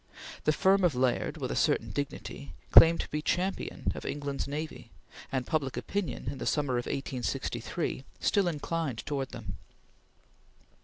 The firm of Laird, with a certain dignity, claimed to be champion of England's navy; and public opinion, in the summer of 1863, still inclined towards them.